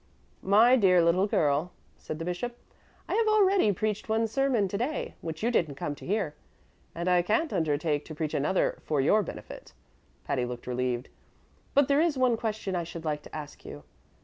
"My dear little girl," said the bishop, "I have already preached one sermon to day, which you didn't come to hear, and I can't undertake to preach another for your benefit," Patty looked relieved, "but there is one question I should like to ask you.